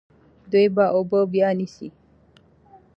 دوی به اوبه بیا نیسي.